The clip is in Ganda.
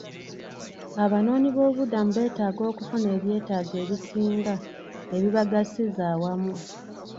Abanoonyiboobubudamu beetaaga okufuna ebyetaago ebisinga ebibagasiza awamu.